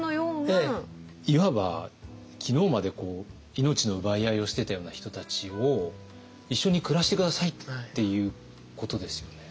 いわば昨日まで命の奪い合いをしてたような人たちを一緒に暮らして下さいっていうことですよね。